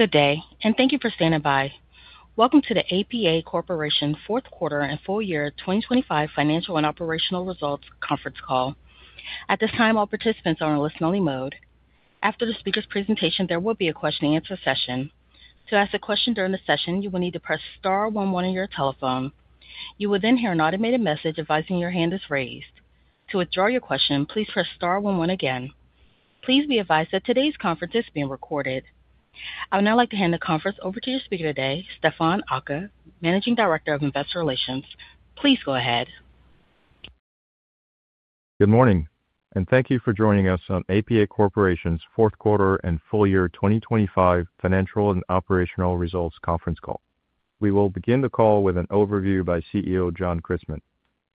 Good day, and thank you for standing by. Welcome to the APA Corporation Fourth Quarter and Full Year 2025 Financial and Operational Results Conference Call. At this time, all participants are in a listen-only mode. After the speaker's presentation, there will be a question-and-answer session. To ask a question during the session, you will need to press star one one on your telephone. You will then hear an automated message advising your hand is raised. To withdraw your question, please press star one one again. Please be advised that today's conference is being recorded. I would now like to hand the conference over to your speaker today, Stephane Aka, Managing Director of Investor Relations. Please go ahead. Thank you for joining us on APA Corporation's fourth quarter and full year 2025 financial and operational results conference call. We will begin the call with an overview by CEO, John Christmann.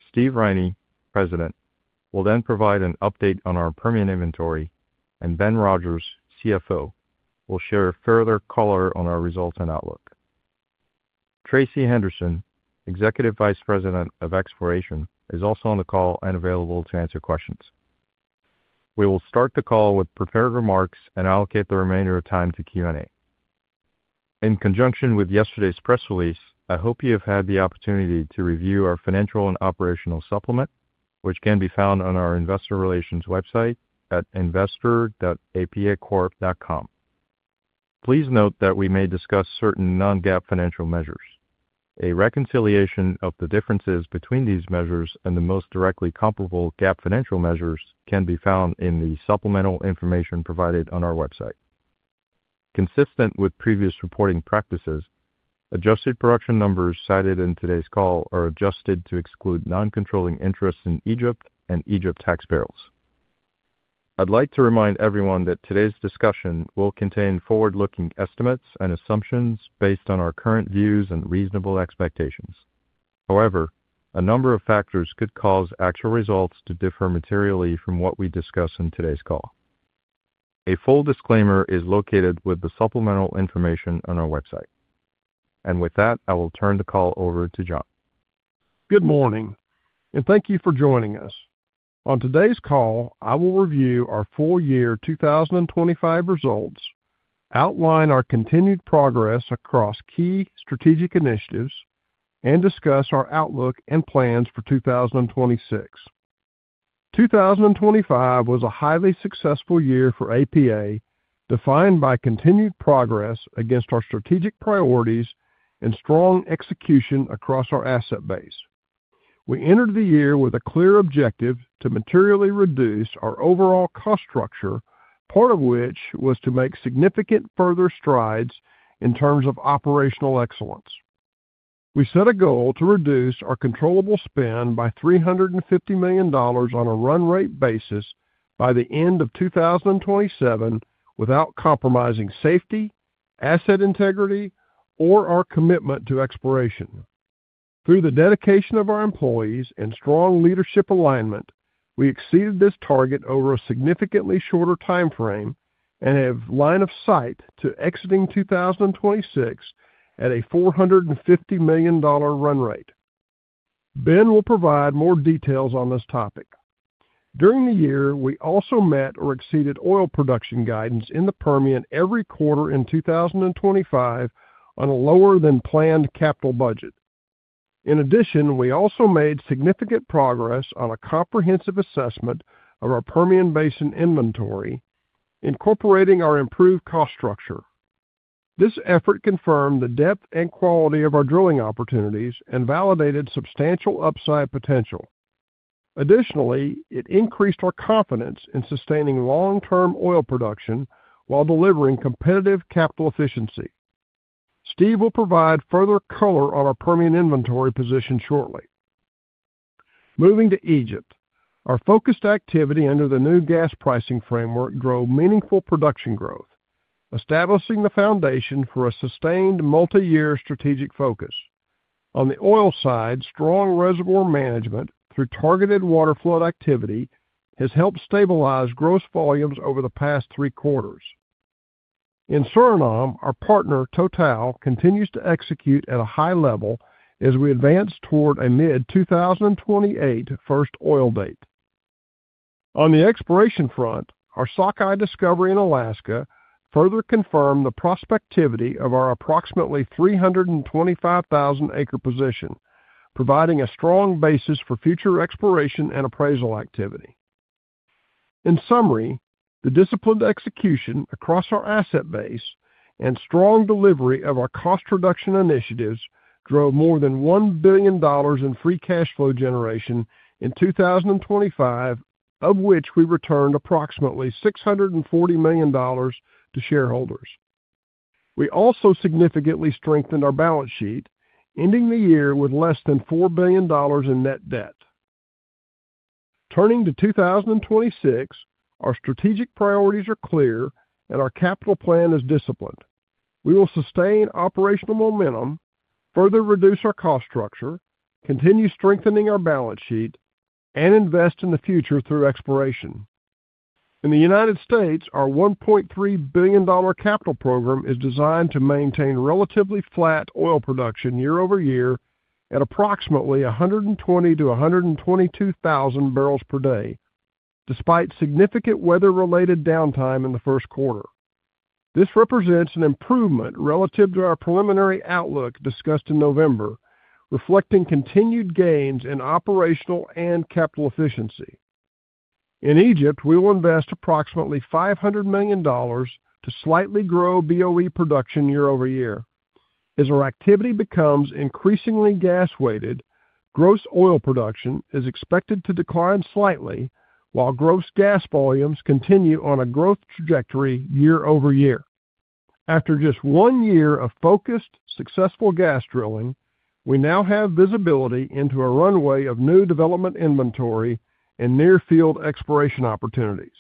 Steve Riney, President, will then provide an update on our Permian inventory. Ben Rodgers, CFO, will share further color on our results and outlook. Tracey Henderson, Executive Vice President, Exploration, is also on the call and available to answer questions. We will start the call with prepared remarks and allocate the remainder of time to Q&A. In conjunction with yesterday's press release, I hope you have had the opportunity to review our financial and operational supplement, which can be found on our investor relations website at investor.apacorp.com. Please note that we may discuss certain non-GAAP financial measures. A reconciliation of the differences between these measures and the most directly comparable GAAP financial measures can be found in the supplemental information provided on our website. Consistent with previous reporting practices, adjusted production numbers cited in today's call are adjusted to exclude non-controlling interests in Egypt and Egypt tax barrels. I'd like to remind everyone that today's discussion will contain forward-looking estimates and assumptions based on our current views and reasonable expectations. However, a number of factors could cause actual results to differ materially from what we discuss in today's call. A full disclaimer is located with the supplemental information on our website. With that, I will turn the call over to John. Good morning, and thank you for joining us. On today's call, I will review our full year 2025 results, outline our continued progress across key strategic initiatives, and discuss our outlook and plans for 2026. 2025 was a highly successful year for APA, defined by continued progress against our strategic priorities and strong execution across our asset base. We entered the year with a clear objective to materially reduce our overall cost structure, part of which was to make significant further strides in terms of operational excellence. We set a goal to reduce our controllable spend by $350 million on a run-rate basis by the end of 2027 without compromising safety, asset integrity, or our commitment to exploration. Through the dedication of our employees and strong leadership alignment, we exceeded this target over a significantly shorter timeframe and have line of sight to exiting 2026 at a $450 million run-rate. Ben will provide more details on this topic. During the year, we also met or exceeded oil production guidance in the Permian every quarter in 2025 on a lower than planned capital budget. We also made significant progress on a comprehensive assessment of our Permian Basin inventory, incorporating our improved cost structure. This effort confirmed the depth and quality of our drilling opportunities and validated substantial upside potential. Additionally, it increased our confidence in sustaining long-term oil production while delivering competitive capital efficiency. Steve will provide further color on our Permian inventory position shortly. Moving to Egypt, our focused activity under the new gas pricing framework drove meaningful production growth, establishing the foundation for a sustained multi-year strategic focus. On the oil side, strong reservoir management through targeted water flood activity has helped stabilize gross volumes over the past three quarters. In Suriname, our partner, Total, continues to execute at a high level as we advance toward a mid-2028 first oil date. On the exploration front, our Sockeye discovery in Alaska further confirmed the prospectivity of our approximately 325,000-acre position, providing a strong basis for future exploration and appraisal activity. In summary, the disciplined execution across our asset base and strong delivery of our cost reduction initiatives drove more than $1 billion in free cash flow generation in 2025, of which we returned approximately $640 million to shareholders. We also significantly strengthened our balance sheet, ending the year with less than $4 billion in net debt. Turning to 2026, our strategic priorities are clear, and our capital plan is disciplined. We will sustain operational momentum, further reduce our cost structure, continue strengthening our balance sheet, and invest in the future through exploration. In the United States, our $1.3 billion capital program is designed to maintain relatively flat oil production year-over-year at approximately 120,000-122,000 barrels per day despite significant weather-related downtime in the first quarter. This represents an improvement relative to our preliminary outlook discussed in November, reflecting continued gains in operational and capital efficiency. In Egypt, we will invest approximately $500 million to slightly grow BOE production year-over-year. As our activity becomes increasingly gas-weighted, gross oil production is expected to decline slightly, while gross gas volumes continue on a growth trajectory year over year. After just one year of focused, successful gas drilling, we now have visibility into a runway of new development inventory and near-field exploration opportunities.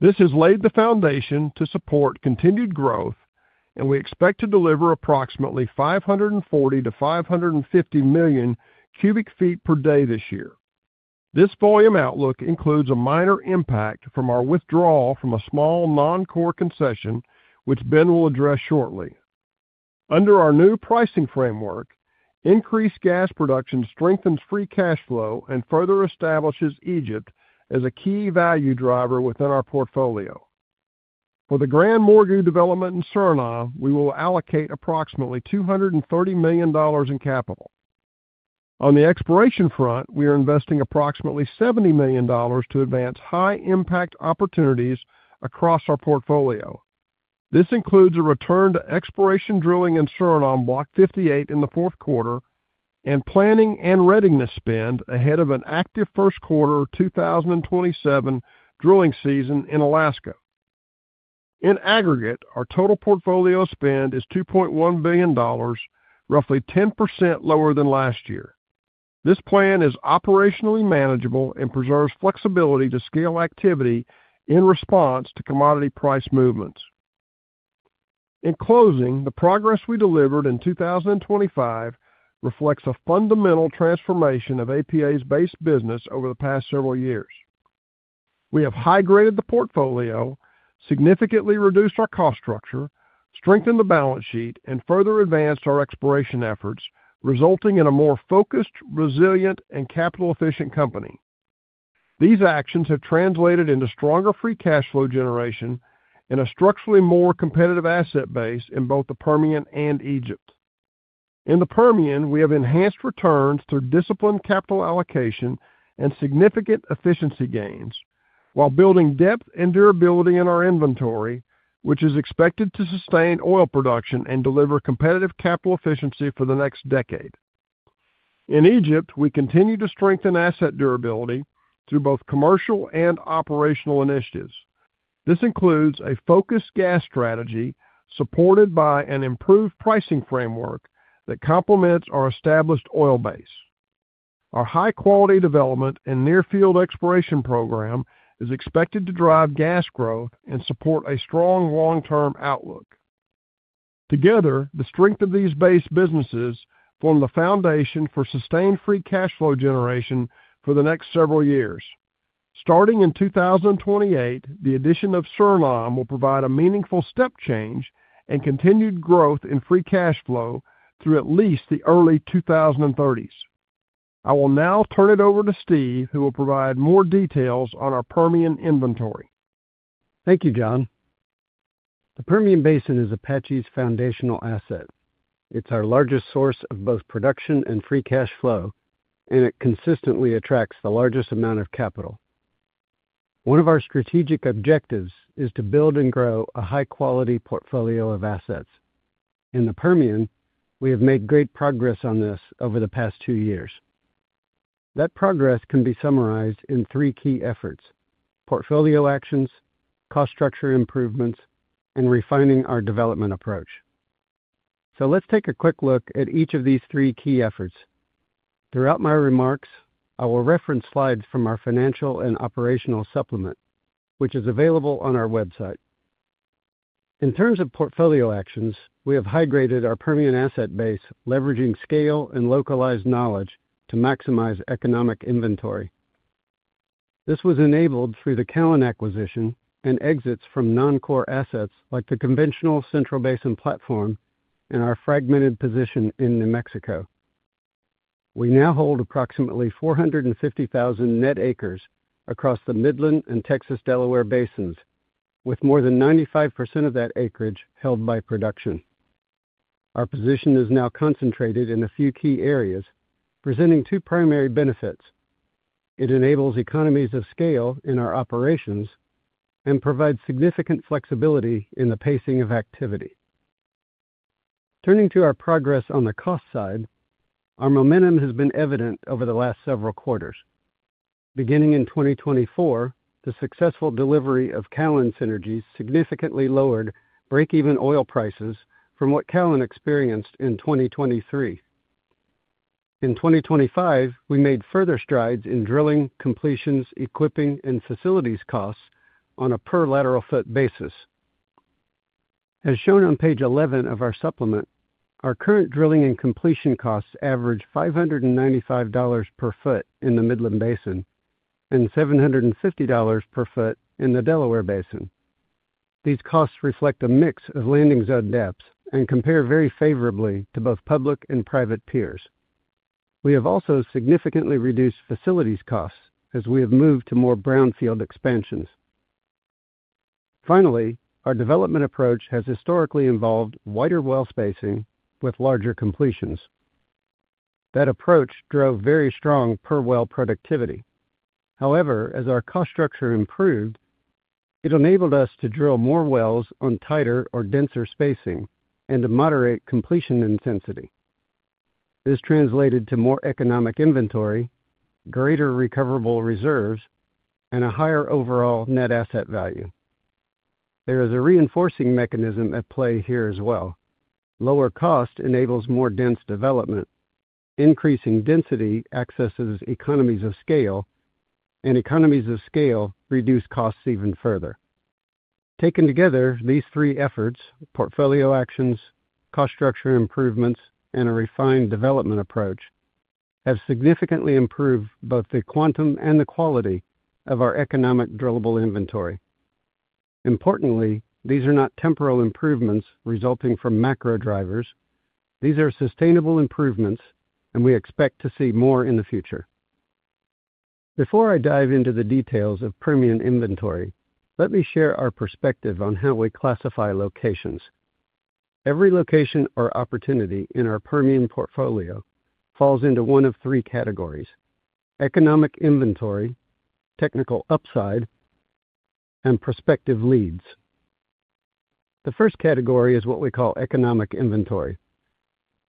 This has laid the foundation to support continued growth, and we expect to deliver approximately 540 to 550 million cubic feet per day this year. This volume outlook includes a minor impact from our withdrawal from a small, non-core concession, which Ben will address shortly. Under our new pricing framework, increased gas production strengthens free cash flow and further establishes Egypt as a key value driver within our portfolio. For the GranMorgu development in Suriname, we will allocate approximately $230 million in capital. On the exploration front, we are investing approximately $70 million to advance high-impact opportunities across our portfolio. This includes a return to exploration drilling in Suriname, Block 58, in the fourth quarter, and planning and readiness spend ahead of an active first quarter 2027 drilling season in Alaska. In aggregate, our total portfolio spend is $2.1 billion, roughly 10% lower than last year. This plan is operationally manageable and preserves flexibility to scale activity in response to commodity price movements. In closing, the progress we delivered in 2025 reflects a fundamental transformation of APA's base business over the past several years. We have high-graded the portfolio, significantly reduced our cost structure, strengthened the balance sheet, and further advanced our exploration efforts, resulting in a more focused, resilient, and capital-efficient company. These actions have translated into stronger free cash flow generation and a structurally more competitive asset base in both the Permian and Egypt. In the Permian, we have enhanced returns through disciplined capital allocation and significant efficiency gains, while building depth and durability in our inventory, which is expected to sustain oil production and deliver competitive capital efficiency for the next decade. In Egypt, we continue to strengthen asset durability through both commercial and operational initiatives. This includes a focused gas strategy supported by an improved pricing framework that complements our established oil base. Our high-quality development and near-field exploration program is expected to drive gas growth and support a strong long-term outlook. Together, the strength of these base businesses form the foundation for sustained free cash flow generation for the next several years. Starting in 2028, the addition of Suriname will provide a meaningful step change and continued growth in free cash flow through at least the early 2030s. I will now turn it over to Steve, who will provide more details on our Permian inventory. Thank you, John. The Permian Basin is Apache's foundational asset. It's our largest source of both production and free cash flow, and it consistently attracts the largest amount of capital. One of our strategic objectives is to build and grow a high-quality portfolio of assets. In the Permian, we have made great progress on this over the past two years. That progress can be summarized in three key efforts: portfolio actions, cost structure improvements, and refining our development approach. Let's take a quick look at each of these three key efforts. Throughout my remarks, I will reference slides from our financial and operational supplement, which is available on our website. In terms of portfolio actions, we have high-graded our Permian asset base, leveraging scale and localized knowledge to maximize economic inventory. This was enabled through the Callon acquisition and exits from non-core assets like the conventional Central Basin Platform and our fragmented position in New Mexico. We now hold approximately 450,000 net acres across the Midland and Texas-Delaware Basins, with more than 95% of that acreage held by production. Our position is now concentrated in a few key areas, presenting two primary benefits. It enables economies of scale in our operations and provides significant flexibility in the pacing of activity. Turning to our progress on the cost side, our momentum has been evident over the last several quarters. Beginning in 2024, the successful delivery of Callon synergies significantly lowered break-even oil prices from what Callon experienced in 2023. In 2025, we made further strides in drilling, completions, equipping, and facilities costs on a per lateral foot basis. As shown on page 11 of our supplement, our current drilling and completion costs average $595 per foot in the Midland Basin and $750 per foot in the Delaware Basin. These costs reflect a mix of landing zone depths and compare very favorably to both public and private peers. We have also significantly reduced facilities costs as we have moved to more brownfield expansions. Our development approach has historically involved wider well spacing with larger completions. That approach drove very strong per well productivity. As our cost structure improved, it enabled us to drill more wells on tighter or denser spacing and to moderate completion intensity. This translated to more economic inventory, greater recoverable reserves, and a higher overall net asset value. There is a reinforcing mechanism at play here as well. Lower cost enables more dense development. Increasing density accesses economies of scale, and economies of scale reduce costs even further. Taken together, these three efforts, portfolio actions, cost structure improvements, and a refined development approach, have significantly improved both the quantum and the quality of our economic drillable inventory. Importantly, these are not temporal improvements resulting from macro drivers. These are sustainable improvements, and we expect to see more in the future. Before I dive into the details of Permian inventory, let me share our perspective on how we classify locations. Every location or opportunity in our Permian portfolio falls into one of three categories: economic inventory, technical upside, and prospective leads. The first category is what we call economic inventory.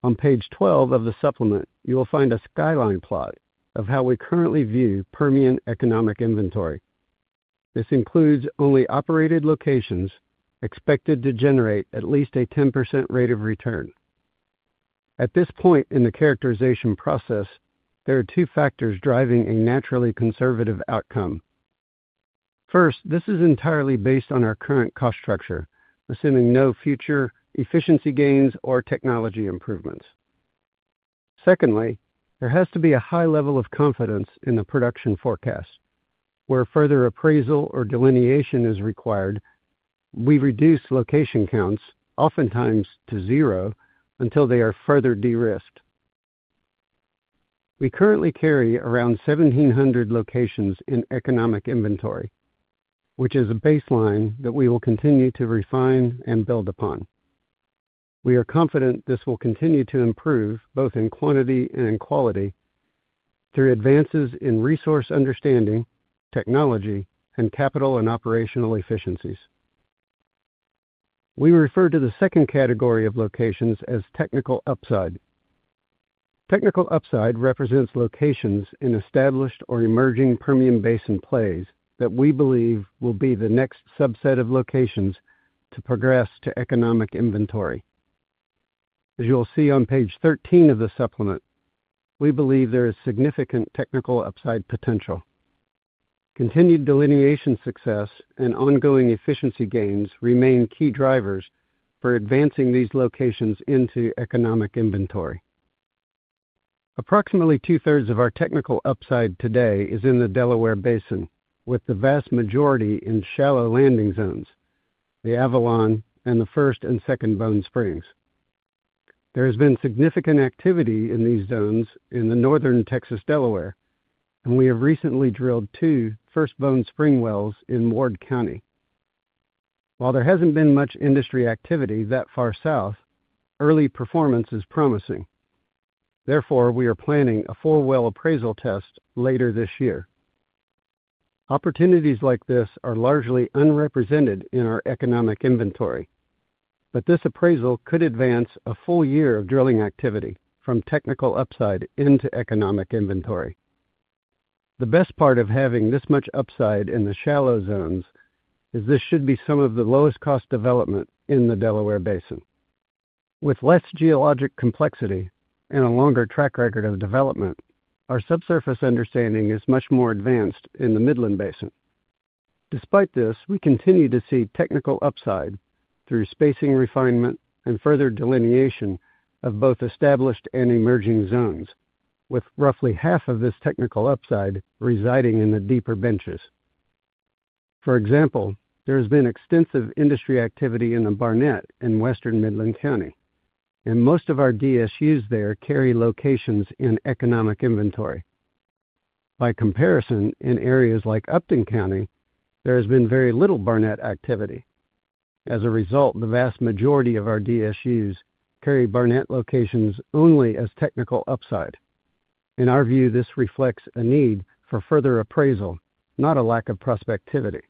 On page 12 of the supplement, you will find a skyline plot of how we currently view Permian economic inventory. This includes only operated locations expected to generate at least a 10% rate of return. At this point in the characterization process, there are two factors driving a naturally conservative outcome. First, this is entirely based on our current cost structure, assuming no future efficiency gains or technology improvements. Secondly, there has to be a high level of confidence in the production forecast. Where further appraisal or delineation is required, we reduce location counts, oftentimes to zero, until they are further de-risked. We currently carry around 1,700 locations in economic inventory, which is a baseline that we will continue to refine and build upon. We are confident this will continue to improve both in quantity and in quality through advances in resource understanding, technology, and capital and operational efficiencies. We refer to the second category of locations as technical upside. Technical upside represents locations in established or emerging Permian Basin plays that we believe will be the next subset of locations to progress to economic inventory. As you will see on page 13 of the supplement, we believe there is significant technical upside potential. Continued delineation success and ongoing efficiency gains remain key drivers for advancing these locations into economic inventory. Approximately 2/3 of our technical upside today is in the Delaware Basin, with the vast majority in shallow landing zones, the Avalon and the First and Second Bone Spring. There has been significant activity in these zones in the northern Texas Delaware, and we have recently drilled two First Bone Spring wells in Ward County. While there hasn't been much industry activity that far south, early performance is promising. Therefore, we are planning a four-well appraisal test later this year. Opportunities like this are largely unrepresented in our economic inventory. This appraisal could advance a full year of drilling activity from technical upside into economic inventory. The best part of having this much upside in the shallow zones is this should be some of the lowest cost development in the Delaware Basin. With less geologic complexity and a longer track record of development, our subsurface understanding is much more advanced in the Midland Basin. Despite this, we continue to see technical upside through spacing refinement and further delineation of both established and emerging zones, with roughly half of this technical upside residing in the deeper benches. For example, there has been extensive industry activity in the Barnett in western Midland County. Most of our DSUs there carry locations in economic inventory. By comparison, in areas like Upton County, there has been very little Barnett activity. As a result, the vast majority of our DSUs carry Barnett locations only as technical upside. In our view, this reflects a need for further appraisal, not a lack of prospectivity.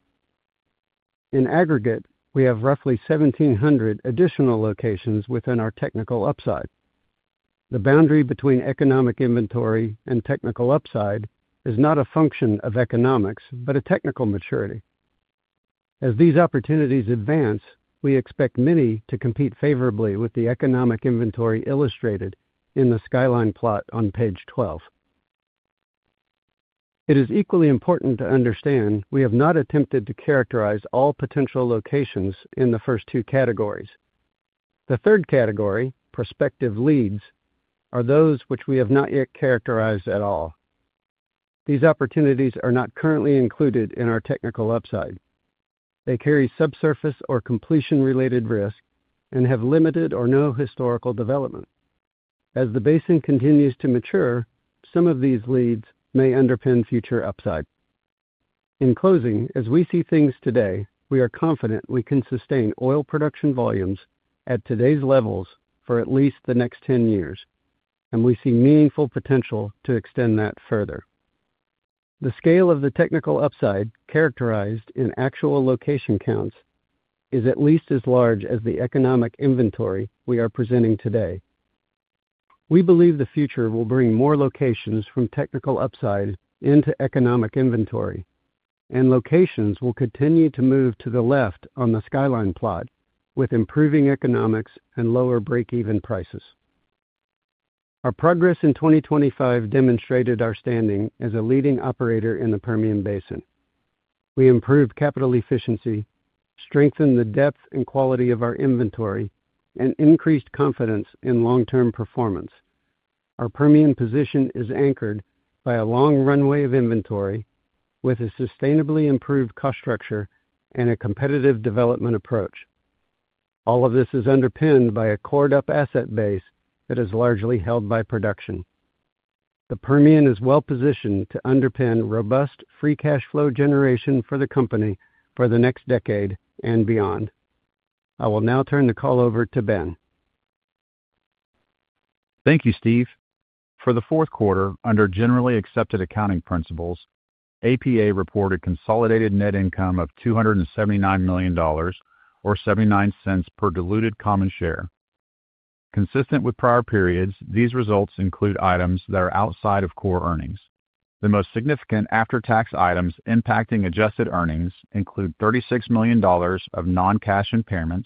In aggregate, we have roughly 1,700 additional locations within our technical upside. The boundary between economic inventory and technical upside is not a function of economics, but a technical maturity. As these opportunities advance, we expect many to compete favorably with the economic inventory illustrated in the skyline plot on page 12. It is equally important to understand we have not attempted to characterize all potential locations in the first two categories. The third category, prospective leads, are those which we have not yet characterized at all. These opportunities are not currently included in our technical upside. They carry subsurface or completion-related risk and have limited or no historical development. As the basin continues to mature, some of these leads may underpin future upside. In closing, as we see things today, we are confident we can sustain oil production volumes at today's levels for at least the next 10 years. We see meaningful potential to extend that further. The scale of the technical upside characterized in actual location counts is at least as large as the economic inventory we are presenting today. We believe the future will bring more locations from technical upside into economic inventory. Locations will continue to move to the left on the skyline plot with improving economics and lower breakeven prices. Our progress in 2025 demonstrated our standing as a leading operator in the Permian Basin. We improved capital efficiency, strengthened the depth and quality of our inventory. Increased confidence in long-term performance. Our Permian position is anchored by a long runway of inventory with a sustainably improved cost structure and a competitive development approach. All of this is underpinned by a cored up asset base that is largely held by production. The Permian is well positioned to underpin robust free cash flow generation for the company for the next decade and beyond. I will now turn the call over to Ben. Thank you, Steve. For the fourth quarter, under GAAP, APA reported consolidated net income of $279 million or $0.79 per diluted common share. Consistent with prior periods, these results include items that are outside of core earnings. The most significant after-tax items impacting adjusted earnings include $36 million of non-cash impairments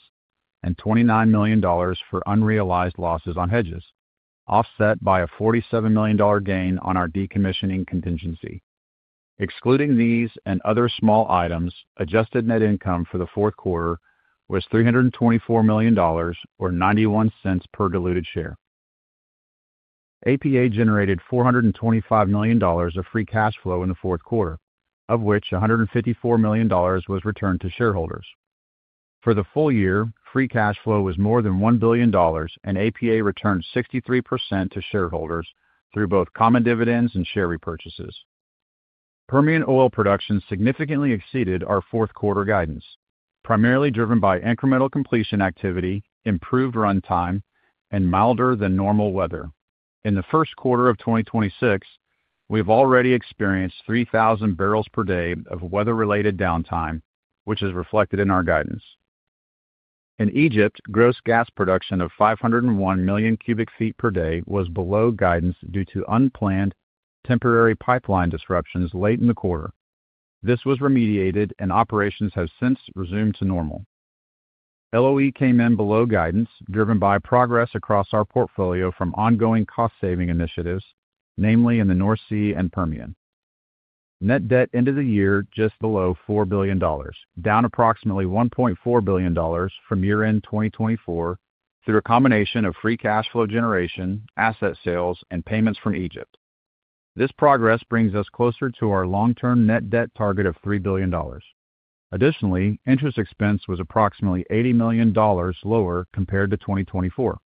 and $29 million for unrealized losses on hedges, offset by a $47 million gain on our decommissioning contingency. Excluding these and other small items, adjusted net income for the fourth quarter was $324 million, or $0.91 per diluted share. APA generated $425 million of free cash flow in the fourth quarter, of which $154 million was returned to shareholders. For the full year, free cash flow was more than $1 billion. APA returned 63% to shareholders through both common dividends and share repurchases. Permian oil production significantly exceeded our fourth quarter guidance, primarily driven by incremental completion activity, improved runtime, and milder-than-normal weather. In the first quarter of 2026, we've already experienced 3,000 barrels per day of weather-related downtime, which is reflected in our guidance. In Egypt, gross gas production of 501 million cubic feet per day was below guidance due to unplanned temporary pipeline disruptions late in the quarter. This was remediated. Operations have since resumed to normal. LOE came in below guidance, driven by progress across our portfolio from ongoing cost-saving initiatives, namely in the North Sea and Permian. Net debt ended the year just below $4 billion, down approximately $1.4 billion from year-end 2024, through a combination of free cash flow generation, asset sales, and payments from Egypt. This progress brings us closer to our long-term net debt target of $3 billion. Interest expense was approximately $80 million lower compared to 2024.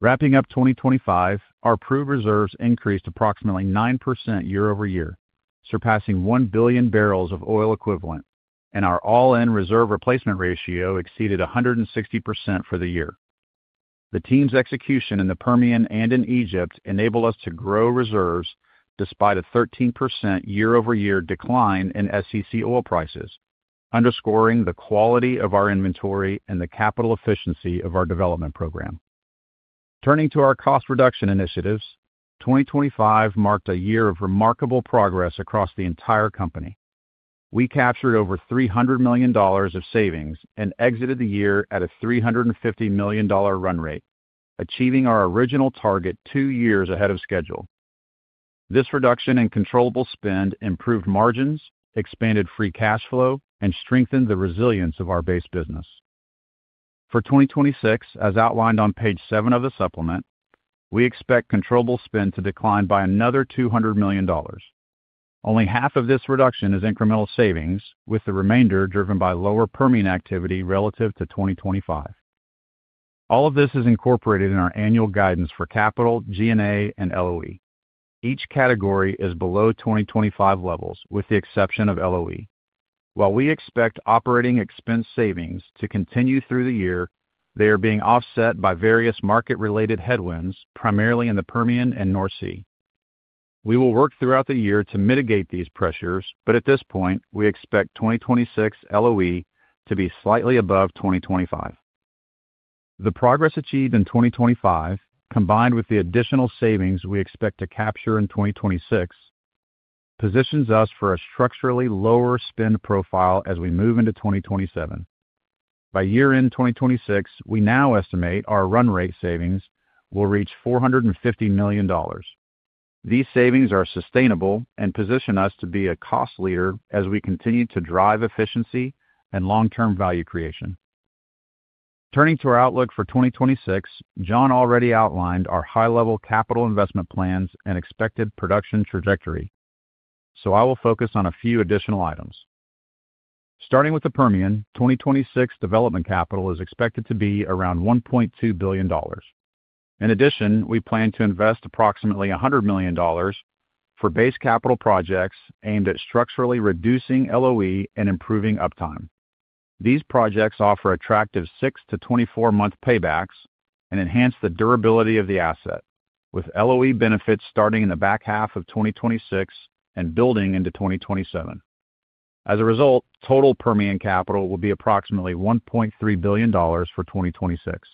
Wrapping up 2025, our proved reserves increased approximately 9% year-over-year, surpassing 1 billion barrels of oil equivalent, and our all-in reserve replacement ratio exceeded 160% for the year. The team's execution in the Permian and in Egypt enabled us to grow reserves despite a 13% year-over-year decline in SEC oil prices, underscoring the quality of our inventory and the capital efficiency of our development program. Turning to our cost reduction initiatives, 2025 marked a year of remarkable progress across the entire company. We captured over $300 million of savings and exited the year at a $350 million run-rate, achieving our original target two years ahead of schedule. This reduction in controllable spend improved margins, expanded free cash flow, and strengthened the resilience of our base business. For 2026, as outlined on page seven of the supplement, we expect controllable spend to decline by another $200 million. Only half of this reduction is incremental savings, with the remainder driven by lower Permian activity relative to 2025. All of this is incorporated in our annual guidance for capital, G&A, and LOE. Each category is below 2025 levels, with the exception of LOE. While we expect operating expense savings to continue through the year, they are being offset by various market-related headwinds, primarily in the Permian and North Sea. We will work throughout the year to mitigate these pressures, but at this point, we expect 2026 LOE to be slightly above 2025. The progress achieved in 2025, combined with the additional savings we expect to capture in 2026, positions us for a structurally lower spend profile as we move into 2027. By year-end 2026, we now estimate our run-rate savings will reach $450 million. These savings are sustainable and position us to be a cost leader as we continue to drive efficiency and long-term value creation. Turning to our outlook for 2026, John already outlined our high-level capital investment plans and expected production trajectory, I will focus on a few additional items. Starting with the Permian, 2026 development capital is expected to be around $1.2 billion. In addition, we plan to invest approximately $100 million for base capital projects aimed at structurally reducing LOE and improving uptime. These projects offer attractive six to 24 month paybacks and enhance the durability of the asset, with LOE benefits starting in the back half of 2026 and building into 2027. As a result, total Permian capital will be approximately $1.3 billion for 2026.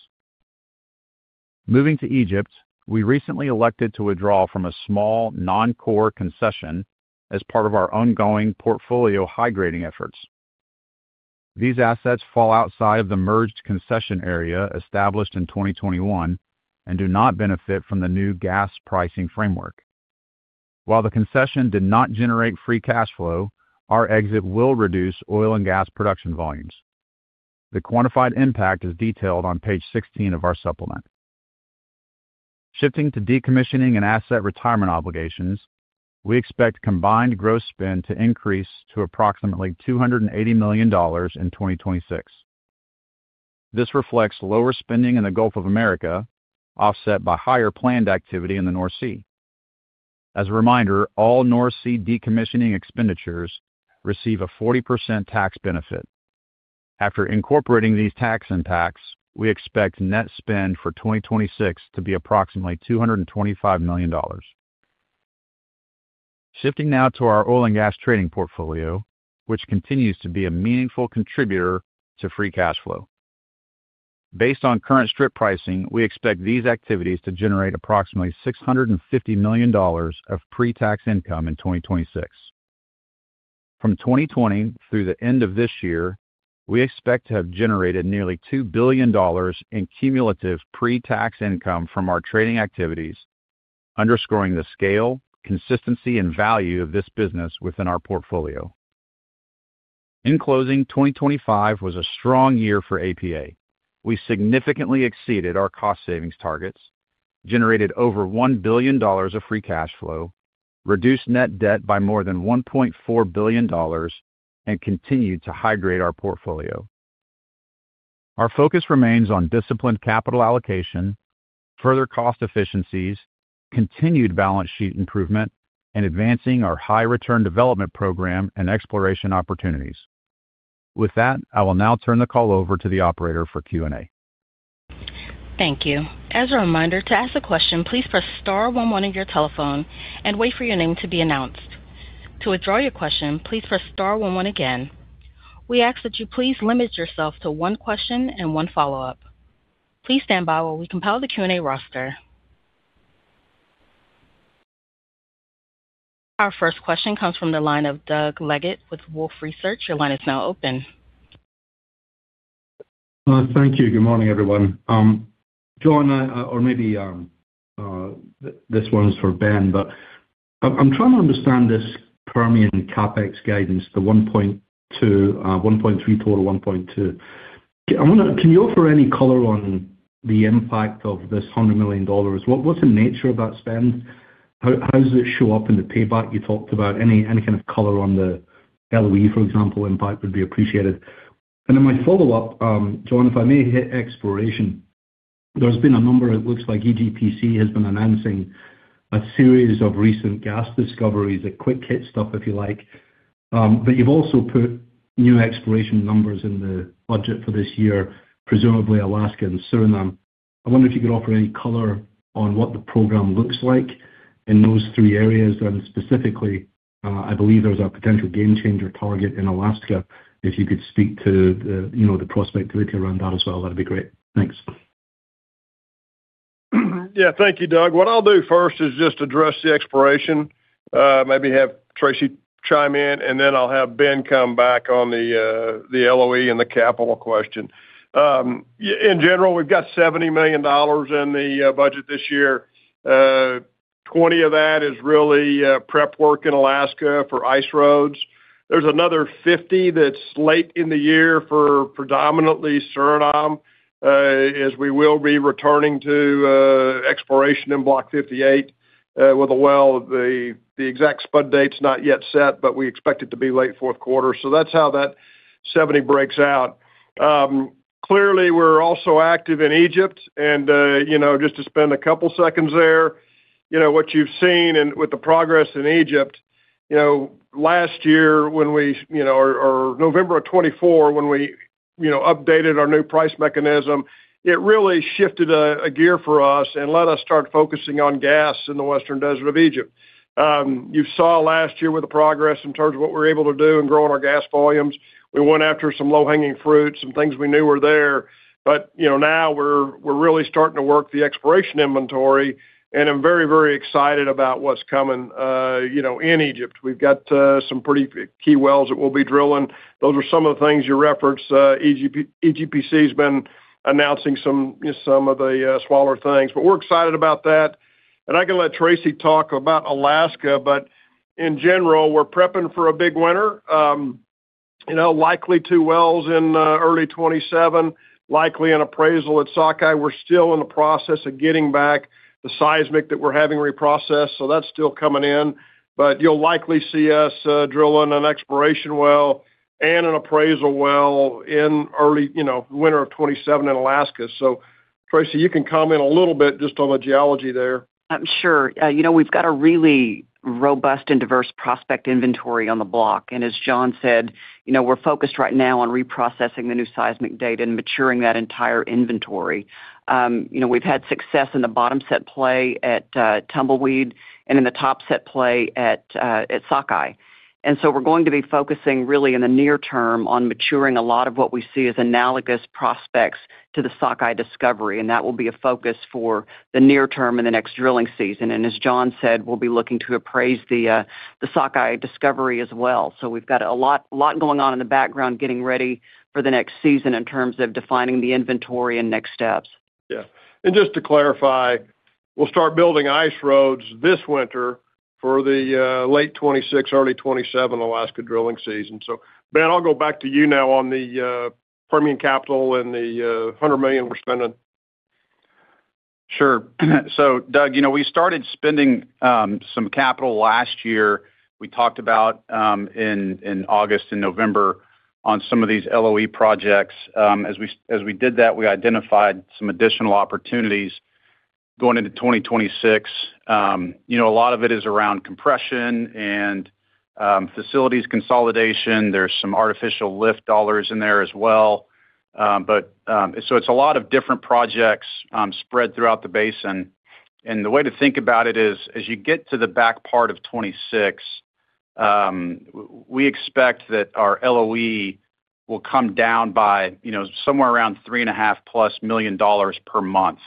Moving to Egypt, we recently elected to withdraw from a small non-core concession as part of our ongoing portfolio high-grading efforts. These assets fall outside of the merged concession area established in 2021 and do not benefit from the new gas pricing framework. While the concession did not generate free cash flow, our exit will reduce oil and gas production volumes. The quantified impact is detailed on page 16 of our supplement. Shifting to decommissioning and asset retirement obligations, we expect combined gross spend to increase to approximately $280 million in 2026. This reflects lower spending in the Gulf of America, offset by higher planned activity in the North Sea. As a reminder, all North Sea decommissioning expenditures receive a 40% tax benefit. After incorporating these tax impacts, we expect net spend for 2026 to be approximately $225 million. Shifting now to our oil and gas trading portfolio, which continues to be a meaningful contributor to free cash flow. Based on current strip pricing, we expect these activities to generate approximately $650 million of pre-tax income in 2026. From 2020 through the end of this year, we expect to have generated nearly $2 billion in cumulative pre-tax income from our trading activities, underscoring the scale, consistency, and value of this business within our portfolio. In closing, 2025 was a strong year for APA. We significantly exceeded our cost savings targets, generated over $1 billion of free cash flow, reduced net debt by more than $1.4 billion, and continued to high-grade our portfolio. Our focus remains on disciplined capital allocation, further cost efficiencies, continued balance sheet improvement, and advancing our high return development program and exploration opportunities. With that, I will now turn the call over to the operator for Q&A. Thank you. As a reminder, to ask a question, please press star one one on your telephone and wait for your name to be announced. To withdraw your question, please press star one one again. We ask that you please limit yourself to one question and one follow-up. Please stand by while we compile the Q&A roster. Our first question comes from the line of Doug Leggate with Wolfe Research. Your line is now open. Thank you. Good morning, everyone. John, or maybe, this one is for Ben, but I'm trying to understand this Permian CapEx guidance, the $1.2, $1.3 total, $1.2. I'm wondering, can you offer any color on the impact of this $100 million? What's the nature of that spend? How does it show up in the payback you talked about? Any kind of color on the LOE, for example, impact would be appreciated. My follow-up, John, if I may hit exploration. It looks like EGPC has been announcing a series of recent gas discoveries, a quick hit stuff, if you like. You've also put new exploration numbers in the budget for this year, presumably Alaska and Suriname. I wonder if you could offer any color on what the program looks like in those three areas. Specifically, I believe there's a potential game changer target in Alaska. If you could speak to the, you know, the prospectivity around that as well, that'd be great. Thanks. Thank you, Doug. What I'll do first is just address the exploration, maybe have Tracey chime in, and then I'll have Ben come back on the LOE and the capital question. In general, we've got $70 million in the budget this year. $20 million of that is really prep work in Alaska for ice roads. There's another $50 million that's late in the year for predominantly Suriname, as we will be returning to exploration in Block 58 with a well. The exact spud date's not yet set, but we expect it to be late fourth quarter. That's how that $70 million breaks out. Clearly, we're also active in Egypt and, you know, just to spend a couple seconds there. You know, what you've seen and with the progress in Egypt, you know, last year when we, you know, or November of 2024 when we, you know, updated our new price mechanism, it really shifted a gear for us and let us start focusing on gas in the western desert of Egypt. You saw last year with the progress in terms of what we're able to do in growing our gas volumes. We went after some low-hanging fruits and things we knew were there. You know, now we're really starting to work the exploration inventory, and I'm very, very excited about what's coming, you know, in Egypt. We've got some pretty key wells that we'll be drilling. Those are some of the things you referenced. EGPC's been announcing some of the smaller things, but we're excited about that. I can let Tracey talk about Alaska, but in general, we're prepping for a big winter. You know, likely two wells in early 2027, likely an appraisal at Sockeye. We're still in the process of getting back the seismic that we're having reprocessed, so that's still coming in. You'll likely see us drilling an exploration well and an appraisal well in early, you know, winter of 2027 in Alaska. Tracey, you can comment a little bit just on the geology there. I'm sure. You know, we've got a really robust and diverse prospect inventory on the block. As John said, you know, we're focused right now on reprocessing the new seismic data and maturing that entire inventory. You know, we've had success in the bottom set play at Tumbleweed and in the top set play at Sockeye. We're going to be focusing really in the near term on maturing a lot of what we see as analogous prospects to the Sockeye discovery, and that will be a focus for the near term and the next drilling season. As John said, we'll be looking to appraise the Sockeye discovery as well. We've got a lot going on in the background, getting ready for the next season in terms of defining the inventory and next steps. Yeah. Just to clarify, we'll start building ice roads this winter for the late 2026, early 2027, Alaska drilling season. Ben, I'll go back to you now on the Permian capital and the $100 million we're spending. Sure. Doug, you know, we started spending some capital last year. We talked about in August and November on some of these LOE projects. As we did that, we identified some additional opportunities going into 2026. You know, a lot of it is around compression and facilities consolidation. There's some artificial lift dollars in there as well. It's a lot of different projects spread throughout the basin. The way to think about it is, as you get to the back part of 2026, we expect that our LOE will come down by, you know, somewhere around $3.5+ million per month.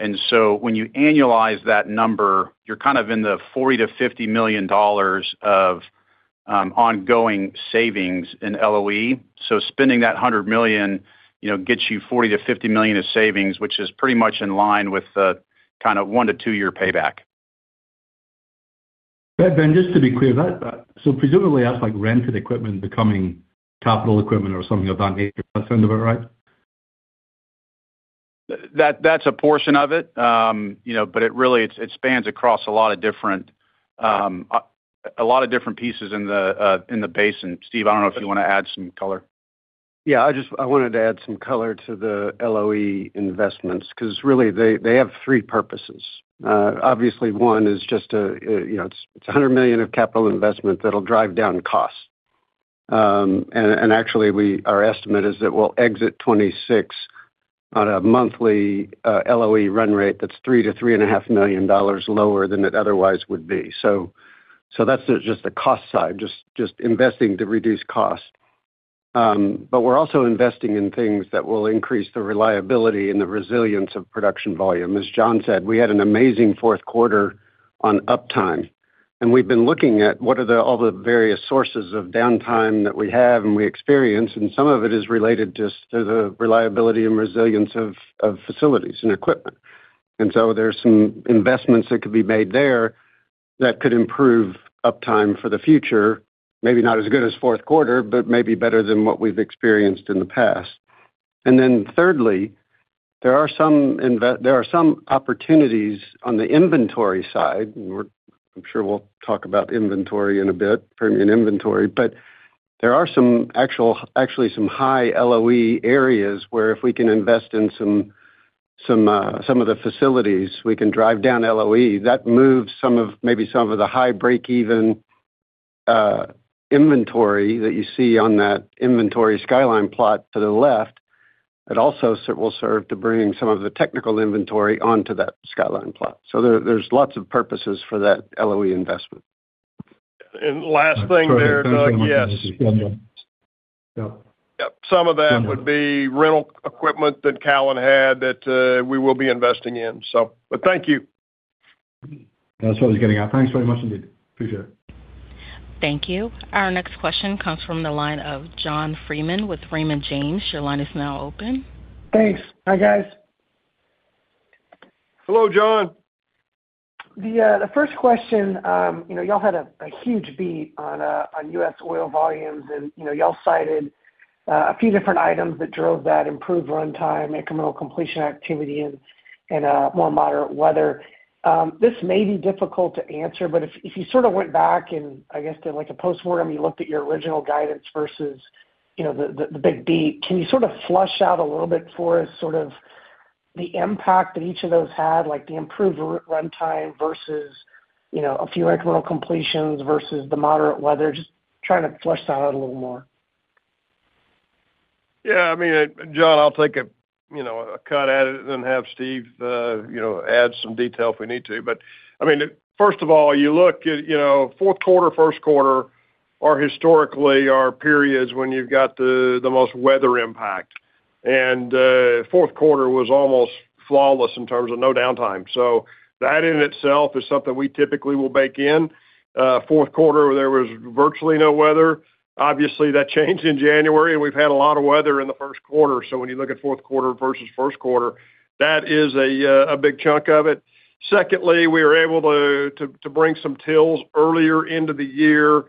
When you annualize that number, you're kind of in the $40 million-$50 million of ongoing savings in LOE. Spending that $100 million, you know, gets you $40 million-$50 million of savings, which is pretty much in line with the kind of one- to two-year payback. Ben, just to be clear, that, so presumably, that's like rented equipment becoming capital equipment or something of that nature. Does that sound about right? That, that's a portion of it. you know, it really, it spans across a lot of different pieces in the basin. Steve, I don't know if you want to add some color. Yeah, I wanted to add some color to the LOE investments, 'cause really, they have three purposes. Obviously, one is just a, you know, it's $100 million of capital investment that'll drive down costs. Actually, our estimate is that we'll exit 2026 on a monthly LOE run-rate that's $3 million-$3.5 million lower than it otherwise would be. That's just the cost side, just investing to reduce cost. We're also investing in things that will increase the reliability and the resilience of production volume. As John said, we had an amazing fourth quarter on uptime, and we've been looking at what are the all the various sources of downtime that we have and we experience, and some of it is related just to the reliability and resilience of facilities and equipment. There's some investments that could be made there that could improve uptime for the future. Maybe not as good as fourth quarter, but maybe better than what we've experienced in the past. Thirdly, there are some opportunities on the inventory side. I'm sure we'll talk about inventory in a bit, Permian inventory, but there are actually some high LOE areas where if we can invest in some of the facilities, we can drive down LOE. That moves some of, maybe some of the high breakeven, inventory that you see on that inventory skyline plot to the left, but also will serve to bring some of the technical inventory onto that skyline plot. There's lots of purposes for that LOE investment. Last thing there, Doug. Yes. Yeah. Yep, some of that would be rental equipment that Callon had that we will be investing in. Thank you. That's what I was getting at. Thanks very much indeed. Appreciate it. Thank you. Our next question comes from the line of John Freeman with Raymond James. Your line is now open. Thanks. Hi, guys. Hello, John. The first question, you know, y'all had a huge beat on US oil volumes, and, you know, y'all cited a few different items that drove that improved runtime, incremental completion activity, and more moderate weather. This may be difficult to answer, but if you sort of went back and, I guess, did, like, a postmortem, you looked at your original guidance versus, you know, the big beat, can you sort of flush out a little bit for us, sort of the impact that each of those had, like the improved runtime versus, you know, a few incremental completions versus the moderate weather? Just trying to flush that out a little more. Yeah, I mean, John, I'll take a, you know, a cut at it and then have Steve, you know, add some detail if we need to. I mean, first of all, you look at, you know, fourth quarter, first quarter, are historically our periods when you've got the most weather impact. Fourth quarter was almost flawless in terms of no downtime. That in itself is something we typically will bake in. Fourth quarter, there was virtually no weather. Obviously, that changed in January, we've had a lot of weather in the first quarter. When you look at fourth quarter versus first quarter, that is a big chunk of it. Secondly, we were able to bring some tills earlier into the year,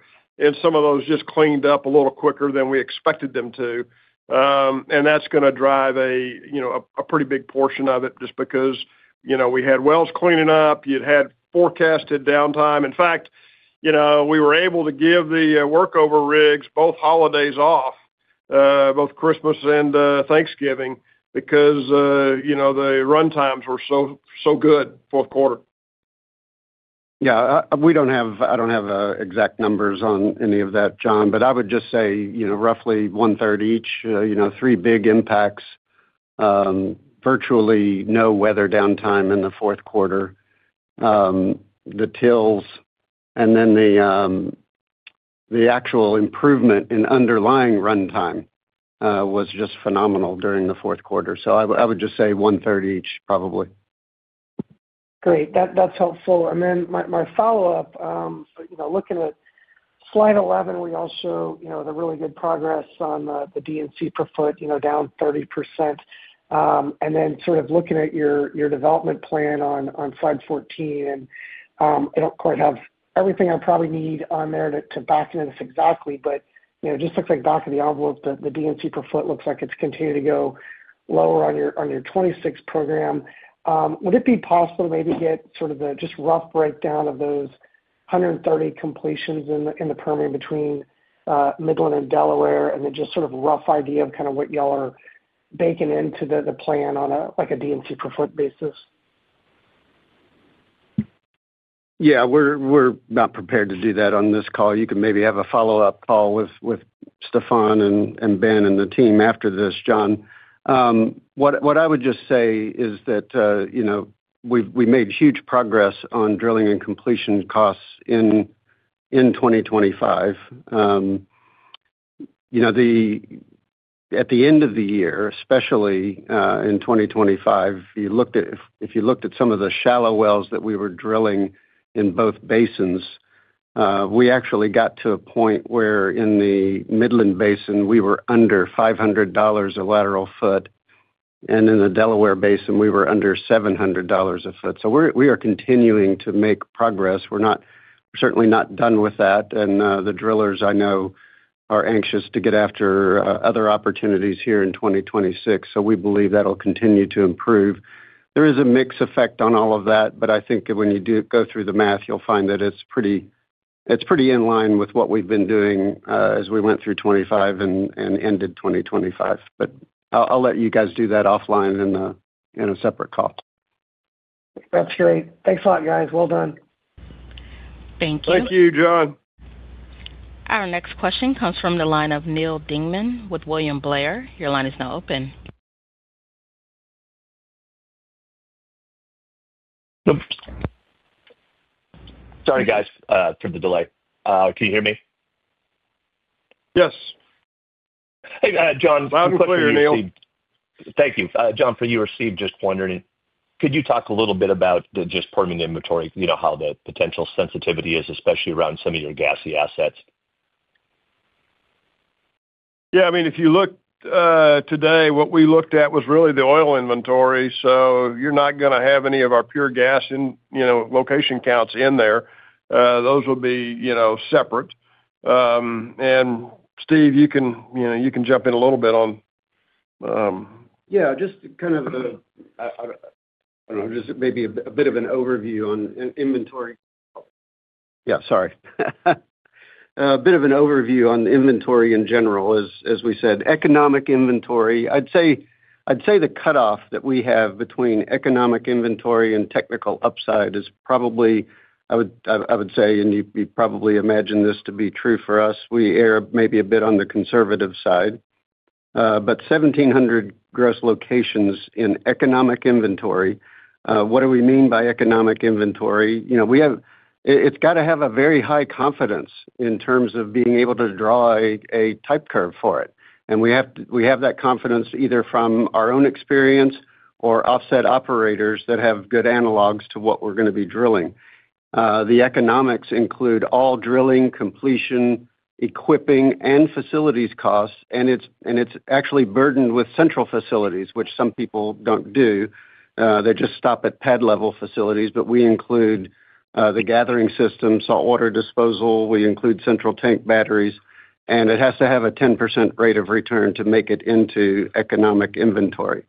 some of those just cleaned up a little quicker than we expected them to. That's gonna drive a, you know, a pretty big portion of it just because, you know, we had wells cleaning up. You'd had forecasted downtime. In fact, you know, we were able to give the workover rigs both holidays off, both Christmas and Thanksgiving, because, you know, the runtimes were so good fourth quarter. Yeah, I don't have exact numbers on any of that, John, I would just say, you know, roughly one-third each, you know, three big impacts. Virtually no weather downtime in the fourth quarter. The tills, and then the actual improvement in underlying runtime, was just phenomenal during the fourth quarter. I would just say one-third each, probably. Great. That's helpful. My follow-up, you know, looking at slide 11, we also, you know, the really good progress on the D&C per foot, you know, down 30%. Sort of looking at your development plan on slide 14, I don't quite have everything I probably need on there to back into this exactly, but, you know, just looks like back of the envelope, the D&C per foot looks like it's continuing to go lower on your 26 program. Would it be possible to maybe get sort of a just rough breakdown of those 130 completions in the Permian between Midland and Delaware, and then just sort of a rough idea of what y'all are baking into the plan on a D&C per foot basis? Yeah, we're not prepared to do that on this call. You can maybe have a follow-up call with Stefan and Ben and the team after this, John. What I would just say is that, you know, we made huge progress on drilling and completion costs in 2025. You know, the, at the end of the year, especially, in 2025, if you looked at some of the shallow wells that we were drilling in both basins, we actually got to a point where in the Midland Basin, we were under $500 a lateral foot, and in the Delaware Basin, we were under $700 a foot. We are continuing to make progress. We're not, certainly not done with that. The drillers I know are anxious to get after other opportunities here in 2026. We believe that'll continue to improve. There is a mix effect on all of that, I think when you do go through the math, you'll find that it's pretty in line with what we've been doing, as we went through 25 and ended 2025. I'll let you guys do that offline in a separate call. That's great. Thanks a lot, guys. Well done. Thank you, John. Our next question comes from the line of Neal Dingmann with William Blair. Your line is now open. Sorry, guys, for the delay. Can you hear me? Yes. Hey, John- Loud and clear, Neal. Thank you. John, for you or Steve, just wondering, could you talk a little bit about the, just Permian inventory, you know, how the potential sensitivity is, especially around some of your gassy assets? Yeah, I mean, if you look, today, what we looked at was really the oil inventory, so you're not gonna have any of our pure gas in, you know, location counts in there. Those will be, you know, separate. Steve, you can, you know, you can jump in a little bit on. Just kind of, just maybe a bit of an overview on in-inventory. Sorry. A bit of an overview on inventory in general is, as we said, economic inventory. I'd say the cutoff that we have between economic inventory and technical upside is probably, I would say, and you probably imagine this to be true for us, we err maybe a bit on the conservative side. 1,700 gross locations in economic inventory. What do we mean by economic inventory? You know, it's got to have a very high confidence in terms of being able to draw a type curve for it. We have that confidence either from our own experience or offset operators that have good analogs to what we're gonna be drilling. The economics include all drilling, completion, equipping, and facilities costs, and it's actually burdened with central facilities, which some people don't do. They just stop at pad-level facilities, but we include the gathering system, saltwater disposal. We include central tank batteries, and it has to have a 10% rate of return to make it into economic inventory.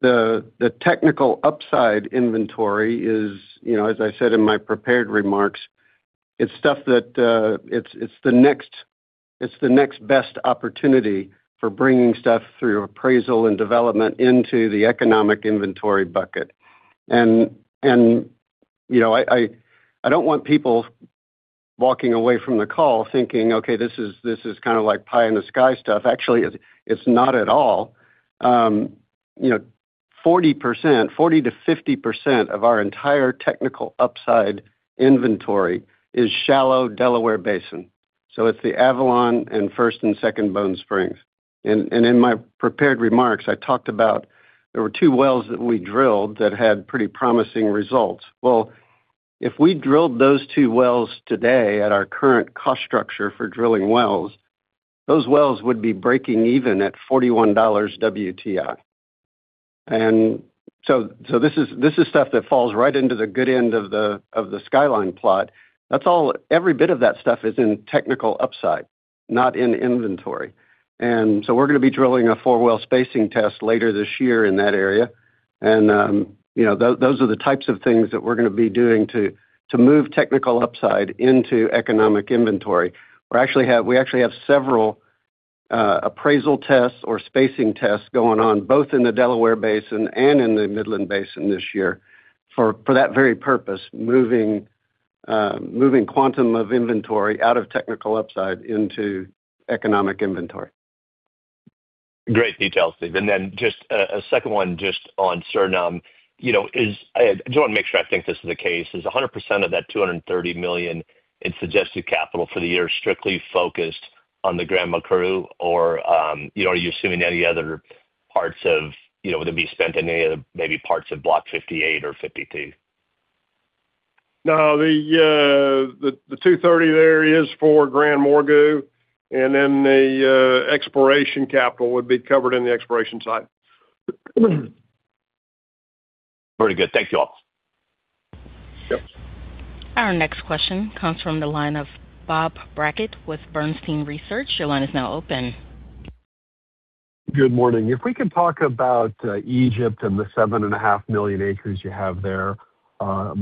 The technical upside inventory is, you know, as I said in my prepared remarks, it's stuff that it's the next best opportunity for bringing stuff through appraisal and development into the economic inventory bucket. You know, I don't want people walking away from the call thinking, okay, this is kind of like pie in the sky stuff. Actually, it's not at all. You know. 40%, 40%-50% of our entire technical upside inventory is shallow Delaware Basin, so it's the Avalon and First and Second Bone Spring. In my prepared remarks, I talked about there were two wells that we drilled that had pretty promising results. Well, if we drilled those two wells today at our current cost structure for drilling wells, those wells would be breaking even at $41 WTI. This is, this is stuff that falls right into the good end of the, of the skyline plot. Every bit of that stuff is in technical upside, not in inventory. We're gonna be drilling a four-well spacing test later this year in that area. You know, those are the types of things that we're gonna be doing to move technical upside into economic inventory. We actually have several appraisal tests or spacing tests going on, both in the Delaware Basin and in the Midland Basin this year, for that very purpose, moving quantum of inventory out of technical upside into economic inventory. Great details, Steve. Then just a second one, just on Suriname, you know, I just wanna make sure I think this is the case. Is 100% of that $230 million in suggested capital for the year strictly focused on the GranMorgu, or, you know, are you assuming any other parts of, you know, would it be spent in any other, maybe parts of Block 58 or 52? No, the $230 there is for GranMorgu, and then the exploration capital would be covered in the exploration side. Very good. Thank you all. Yep. Our next question comes from the line of Bob Brackett with Bernstein Research. Your line is now open. Good morning. If we could talk about Egypt and the seven and a half million acres you have there. Some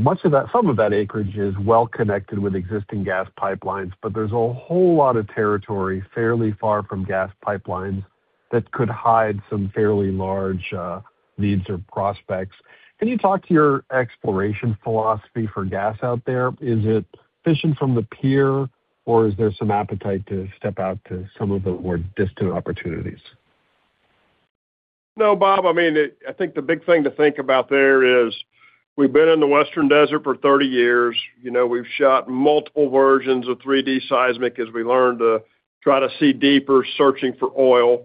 of that acreage is well connected with existing gas pipelines. There's a whole lot of territory fairly far from gas pipelines that could hide some fairly large leads or prospects. Can you talk to your exploration philosophy for gas out there? Is it fishing from the pier, or is there some appetite to step out to some of the more distant opportunities? No, Bob, I mean, I think the big thing to think about there is we've been in the Western Desert for 30 years. You know, we've shot multiple versions of 3D seismic as we learned to try to see deeper, searching for oil.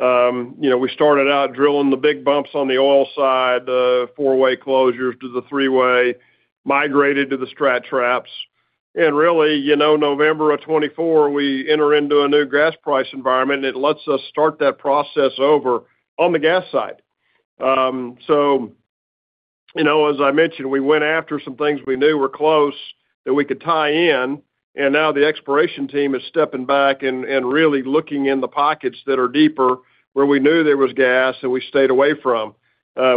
You know, we started out drilling the big bumps on the oil side, the four-way closures to the three-way, migrated to the strat traps. Really, you know, November of 2024, we enter into a new gas price environment, and it lets us start that process over on the gas side. You know, as I mentioned, we went after some things we knew were close that we could tie in, and now the exploration team is stepping back and really looking in the pockets that are deeper, where we knew there was gas, and we stayed away from.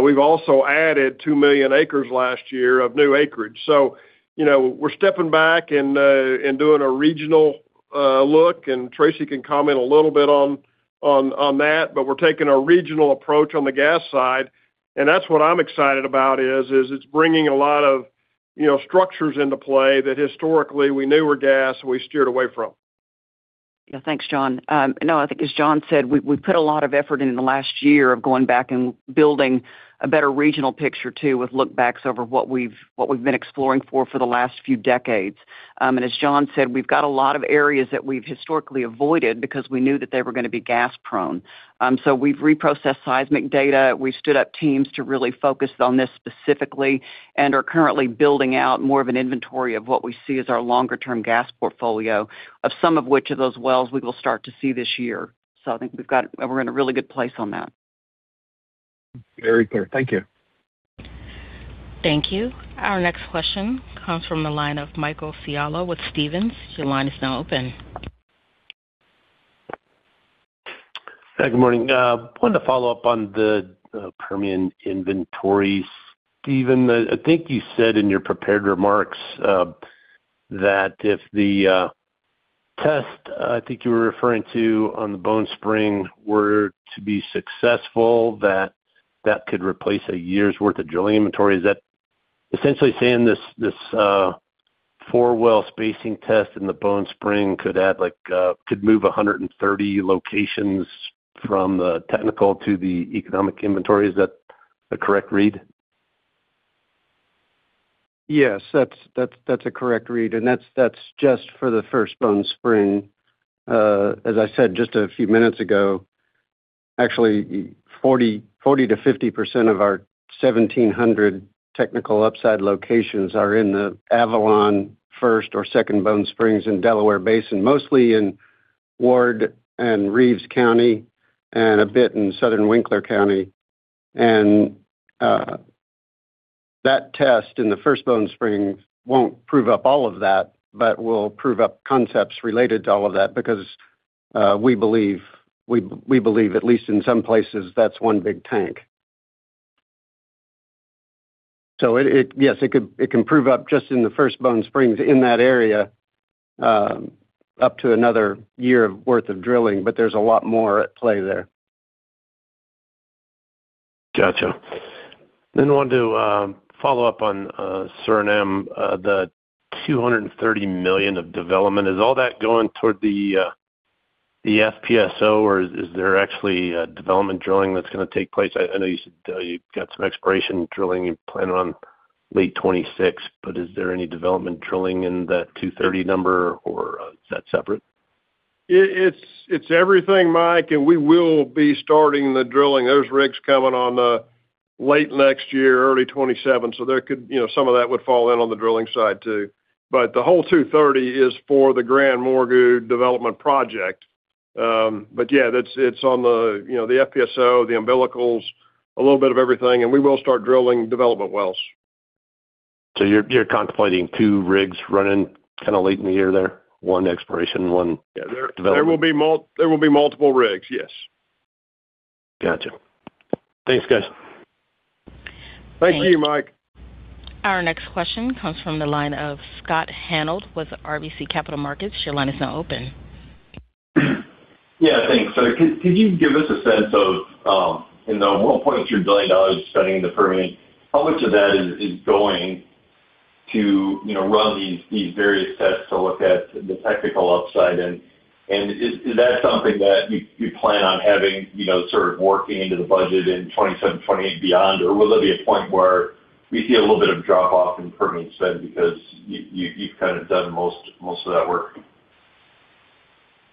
We've also added 2 million acres last year of new acreage. You know, we're stepping back and doing a regional look, and Tracey Henderson can comment a little bit on that, but we're taking a regional approach on the gas side, and that's what I'm excited about, is it's bringing a lot of, you know, structures into play that historically we knew were gas, and we steered away from. Yeah. Thanks, John. No, I think as John said, we've put a lot of effort in the last year of going back and building a better regional picture, too, with look backs over what we've been exploring for the last few decades. As John said, we've got a lot of areas that we've historically avoided because we knew that they were gonna be gas-prone. We've reprocessed seismic data. We've stood up teams to really focus on this specifically and are currently building out more of an inventory of what we see as our longer-term gas portfolio, of some of which of those wells we will start to see this year. I think we're in a really good place on that. Very clear. Thank you. Thank you. Our next question comes from the line of Michael Scialla with Stephens. Your line is now open. Good morning. wanted to follow up on the Permian inventory. Steven, I think you said in your prepared remarks, that if the test, I think you were referring to on the Bone Spring, were to be successful, that that could replace a year's worth of drilling inventory. Is that essentially saying this four-well spacing test in the Bone Spring could add like, could move 130 locations from the technical to the economic inventory? Is that a correct read? Yes, that's a correct read, and that's just for the First Bone Spring. As I said just a few minutes ago, actually 40%-50% of our 1,700 technical upside locations are in the Avalon First or Second Bone Spring in Delaware Basin, mostly in Ward and Reeves County and a bit in southern Winkler County. That test in the First Bone Spring won't prove up all of that, but will prove up concepts related to all of that because we believe, at least in some places, that's one big tank. Yes, it can prove up just in the First Bone Spring in that area, up to another year of worth of drilling, but there's a lot more at play there. Gotcha. I wanted to follow up on Suriname, the $230 million of development. Is all that going toward The FPSO, or is there actually development drilling that's gonna take place? I know you said you've got some exploration drilling you plan on late 2026, but is there any development drilling in that $230 number, or is that separate? It's everything, Michael. We will be starting the drilling. Those rigs coming on late next year, early 2027. You know, some of that would fall in on the drilling side too. The whole $230 is for the GranMorgu development project. Yeah, it's on the, you know, the FPSO, the umbilicals, a little bit of everything, and we will start drilling development wells. You're contemplating two rigs running kinda late in the year there, one exploration. Yeah. Development. There will be multiple rigs, yes. Gotcha. Thanks, guys. Thanks. Thank you, Mike. Our next question comes from the line of Scott Hanold with RBC Capital Markets. Your line is now open. Yeah, thanks. Could you give us a sense of, in the $1.2 billion spending in the Permian, how much of that is going to, you know, run these various tests to look at the technical upside? Is that something that you plan on having, you know, sort of working into the budget in 2027, 2028 beyond? Will there be a point where we see a little bit of drop-off in Permian spend because you've kind of done most of that work?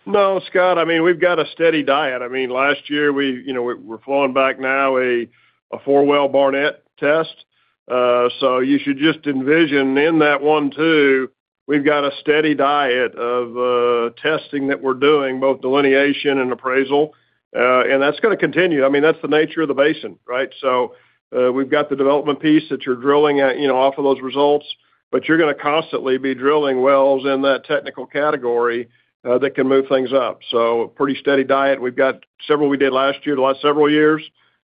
No, Scott. I mean, we've got a steady diet. I mean, last year, we, you know, we're flowing back now a four-well Barnett test. You should just envision in that one, too, we've got a steady diet of testing that we're doing, both delineation and appraisal. That's gonna continue. I mean, that's the nature of the basin, right? We've got the development piece that you're drilling at, you know, off of those results, but you're gonna constantly be drilling wells in that technical category that can move things up. A pretty steady diet. We've got several we did last year, the last several years,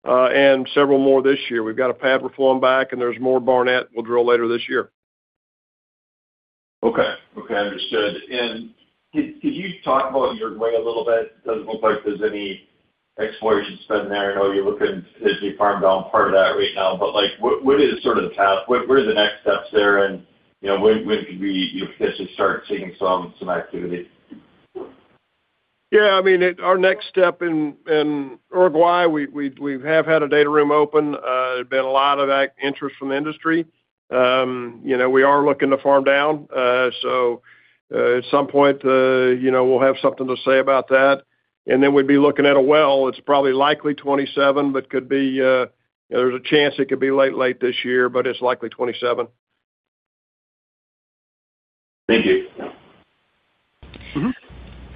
and several more this year. We've got a pad we're flowing back, and there's more Barnett we'll drill later this year. Okay, understood. Could you talk about Uruguay a little bit? It doesn't look like there's any exploration spend there. I know you're looking to be farmed on part of that right now, but, like, what is sort of the path? What are the next steps there, and, you know, when could we potentially start seeing some activity? Yeah, I mean, our next step in Uruguay, we have had a data room open. There's been a lot of interest from the industry. You know, we are looking to farm down. At some point, you know, we'll have something to say about that, and then we'd be looking at a well. It's probably likely 2027, but could be, there's a chance it could be late this year, but it's likely 2027. Thank you. Mm-hmm.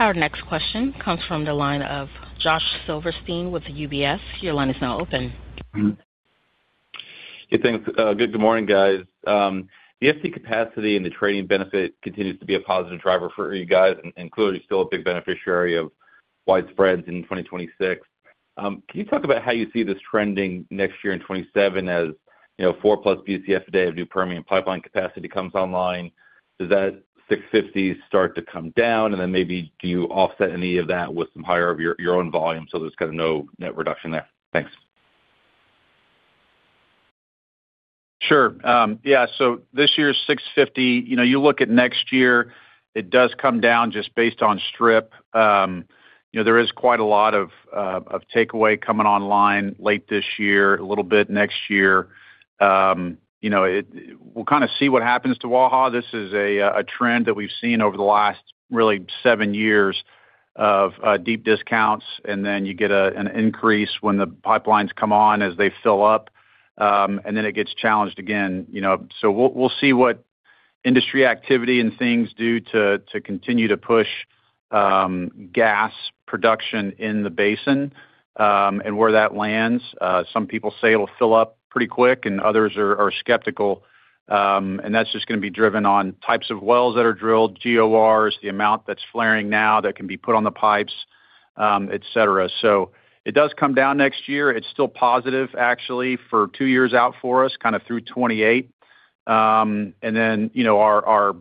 Our next question comes from the line of Josh Silverstein with UBS. Your line is now open. Mm-hmm. Hey, thanks. Good, good morning, guys. The FT capacity and the trading benefit continues to be a positive driver for you guys, and clearly still a big beneficiary of widespreads in 2026. Can you talk about how you see this trending next year in 2027, as, you know, 4+ BCF a day of new Permian pipeline capacity comes online? Does that $650 start to come down, and then maybe do you offset any of that with some higher of your own volume, so there's kind of no net reduction there? Thanks. Sure. Yeah, so this year's $6.50, you know, you look at next year, it does come down just based on strip. You know, there is quite a lot of takeaway coming online late this year, a little bit next year. You know, we'll kind of see what happens to WAHA. This is a trend that we've seen over the last, really, seven years of deep discounts, and then you get an increase when the pipelines come on as they fill up, and then it gets challenged again, you know. We'll, we'll see what industry activity and things do to continue to push gas production in the basin, and where that lands. Some people say it'll fill up pretty quick, and others are skeptical. And that's just gonna be driven on types of wells that are drilled, GORs, the amount that's flaring now that can be put on the pipes, et cetera. It does come down next year. It's still positive, actually, for two years out for us, kind of through 2028. You know, our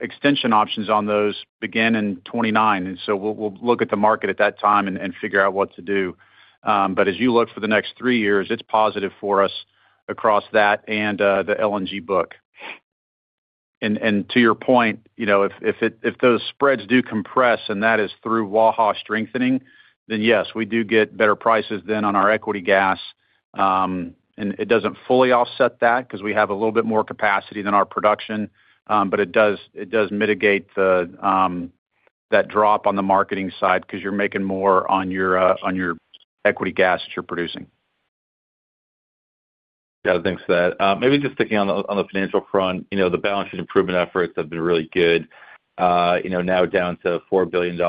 extension options on those begin in 2029, and so we'll look at the market at that time and figure out what to do. But as you look for the next three years, it's positive for us across that and the LNG book. And to your point, you know, if those spreads do compress, and that is through WAHA strengthening, then yes, we do get better prices then on our equity gas. It doesn't fully offset that, 'cause we have a little bit more capacity than our production, but it does mitigate the that drop on the marketing side, 'cause you're making more on your on your equity gas that you're producing. Thanks for that. Maybe just sticking on the, on the financial front, you know, the balance sheet improvement efforts have been really good, you know, now down to $4 billion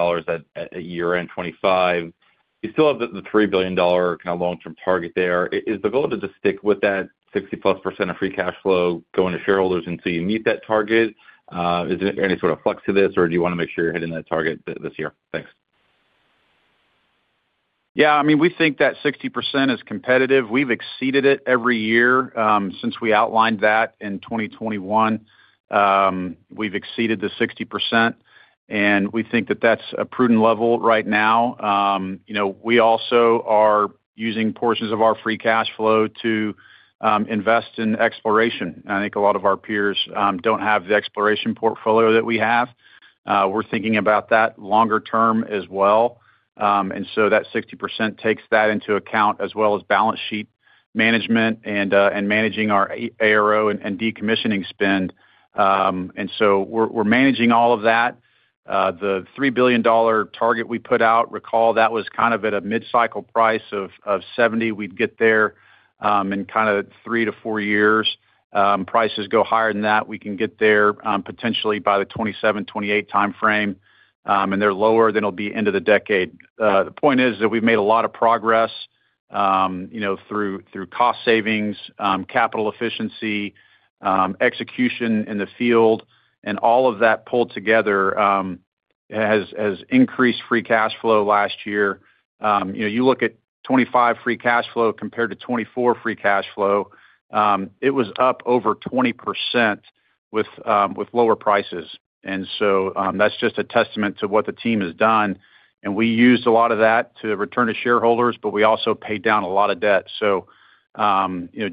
at year-end 2025. You still have the $3 billion kind of long-term target there. Is the goal to just stick with that 60%+ of free cash flow going to shareholders until you meet that target? Is there any sort of flex to this, or do you wanna make sure you're hitting that target this year? Thanks. I mean, we think that 60% is competitive. We've exceeded it every year, since we outlined that in 2021. We've exceeded the 60%, and we think that that's a prudent level right now. you know, we also are using portions of our free cash flow to invest in exploration. I think a lot of our peers don't have the exploration portfolio that we have. We're thinking about that longer term as well. That 60% takes that into account, as well as balance sheet management and managing our ARO and decommissioning spend. We're managing all of that. The $3 billion target we put out, recall, that was kind of at a mid-cycle price of $70. We'd get there, in kind of three to four years. Prices go higher than that, we can get there, potentially by the 2027, 2028 timeframe. They're lower, then it'll be end of the decade. The point is that we've made a lot of progress, you know, through cost savings, capital efficiency, execution in the field, and all of that pulled together, has increased free cash flow last year. You know, you look at 2025 free cash flow compared to 2024 free cash flow, it was up over 20% with lower prices. That's just a testament to what the team has done, and we used a lot of that to return to shareholders, but we also paid down a lot of debt. You know,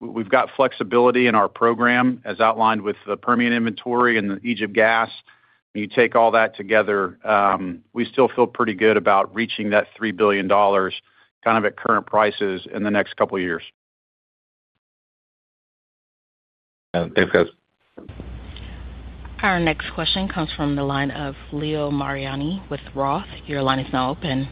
we've got flexibility in our program, as outlined with the Permian inventory and the Egypt gas. You take all that together, we still feel pretty good about reaching that $3 billion, kind of at current prices in the next couple of years. Thanks, guys. Our next question comes from the line of Leo Mariani with Roth. Your line is now open.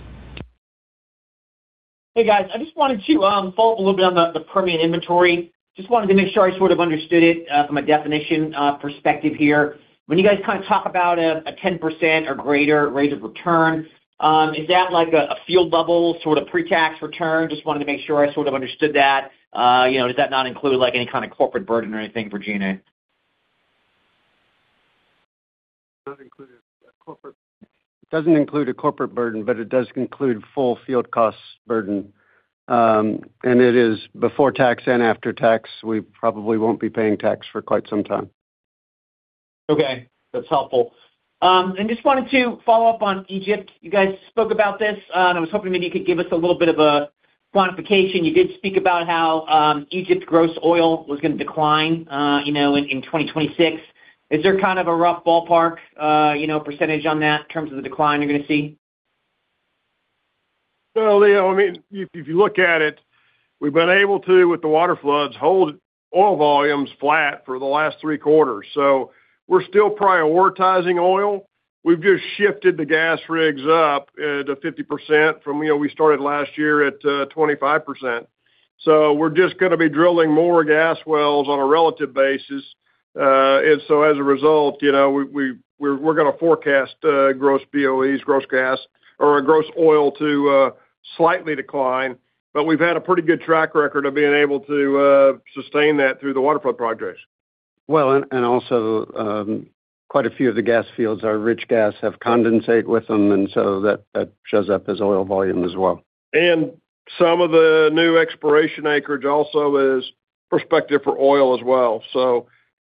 Hey, guys. I just wanted to follow up a little bit on the Permian inventory. Just wanted to make sure I sort of understood it from a definition perspective here. When you guys kind of talk about a 10% or greater rate of return, is that like a field-level, sort of, pre-tax return? Just wanted to make sure I sort of understood that. You know, does that not include, like, any kind of corporate burden or anything, Regina? It doesn't include a corporate burden, but it does include full field costs burden. It is before tax and after tax. We probably won't be paying tax for quite some time. Okay, that's helpful. Just wanted to follow up on Egypt. You guys spoke about this, and I was hoping maybe you could give us a little bit of a quantification. You did speak about how Egypt's gross oil was gonna decline, you know, in 2026. Is there kind of a rough ballpark, you know, percentage on that in terms of the decline you're gonna see? Well, Leo, I mean, if you look at it, we've been able to, with the water floods, hold oil volumes flat for the last three quarters. We're still prioritizing oil. We've just shifted the gas rigs up to 50% from, we started last year at 25%. We're just gonna be drilling more gas wells on a relative basis. As a result, we're gonna forecast gross BOEs, gross gas or gross oil to slightly decline, but we've had a pretty good track record of being able to sustain that through the water flood projects. Well, also, quite a few of the gas fields are rich gas, have condensate with them, that shows up as oil volume as well. Some of the new exploration acreage also is prospective for oil as well.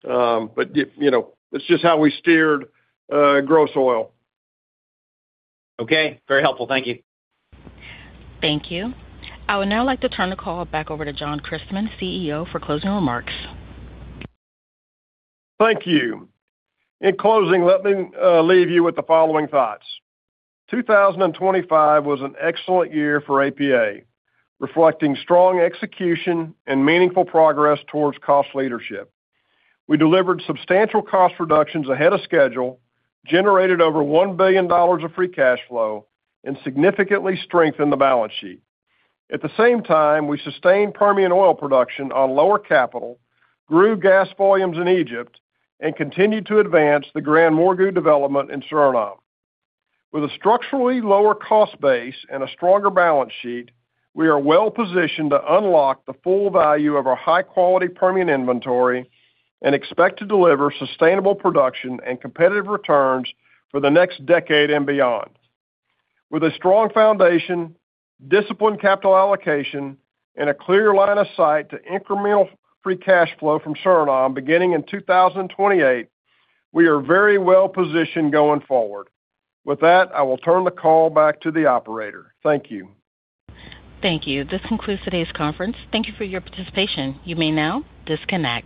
You know, it's just how we steered gross oil. Okay, very helpful. Thank you. Thank you. I would now like to turn the call back over to John Christmann, CEO, for closing remarks. Thank you. In closing, let me leave you with the following thoughts: 2025 was an excellent year for APA, reflecting strong execution and meaningful progress towards cost leadership. We delivered substantial cost reductions ahead of schedule, generated over $1 billion of free cash flow, and significantly strengthened the balance sheet. At the same time, we sustained Permian oil production on lower capital, grew gas volumes in Egypt, and continued to advance the GranMorgu development in Suriname. With a structurally lower cost base and a stronger balance sheet, we are well positioned to unlock the full value of our high-quality Permian inventory and expect to deliver sustainable production and competitive returns for the next decade and beyond. With a strong foundation, disciplined capital allocation, and a clear line of sight to incremental free cash flow from Suriname beginning in 2028, we are very well positioned going forward. With that, I will turn the call back to the operator. Thank you. Thank you. This concludes today's conference. Thank you for your participation. You may now disconnect.